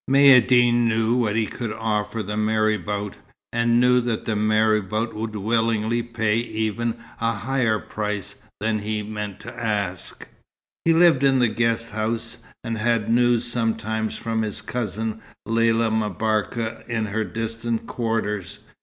Maïeddine knew what he could offer the marabout, and knew that the marabout would willingly pay even a higher price than he meant to ask. He lived in the guest house, and had news sometimes from his cousin Lella M'Barka in her distant quarters.